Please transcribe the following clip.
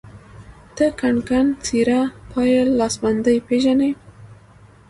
ته کنګڼ ،سيره، پايل، لاسبندي پيژنې